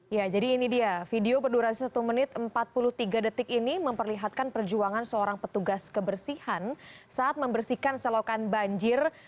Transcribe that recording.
ya jadi ini dia video berdurasi satu menit empat puluh tiga detik ini memperlihatkan perjuangan seorang petugas kebersihan saat membersihkan selokan banjir